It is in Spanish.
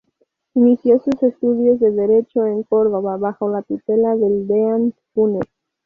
Inició sus estudios de derecho en Córdoba bajo la tutela del Deán Funes.